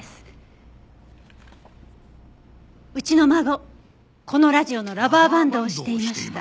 「うちの孫このラジオのラバーバンドをしていました」